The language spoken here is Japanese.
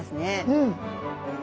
うん。